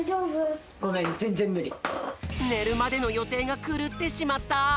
ねるまでのよていがくるってしまった！